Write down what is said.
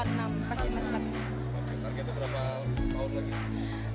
targetnya berapa tahun lagi